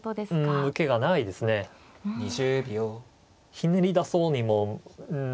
ひねり出そうにもうん。